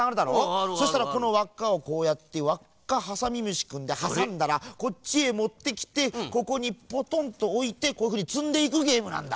そしたらこのわっかをこうやってわっかハサミむしくんではさんだらこっちへもってきてここにポトンとおいてこういうふうにつんでいくゲームなんだ。